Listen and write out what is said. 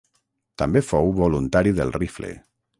També fou voluntari del rifle.